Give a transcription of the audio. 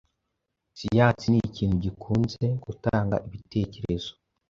Siyansi nk’ikintu gikunze gutanga ibitekerezo